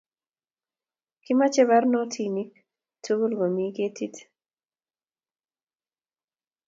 Kimache barnotik tukul komin ketit